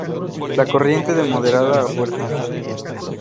La corriente de moderada a fuerte.